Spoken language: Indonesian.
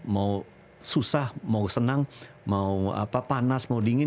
mau susah mau senang mau panas mau dingin